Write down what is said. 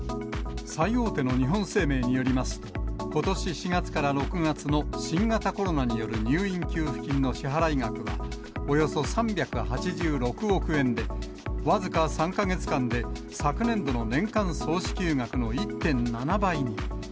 最大手の日本生命によりますと、ことし４月から６月の新型コロナによる入院給付金の支払い額は、およそ３８６億円で、僅か３か月間で昨年度の年間総支給額の１．７倍に。